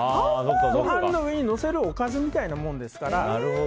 ご飯の上にのせるおかずみたいなものですから。